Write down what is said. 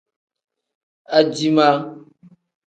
Aciima.